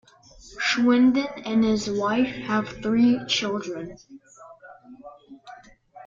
Schwinden and his wife have three children.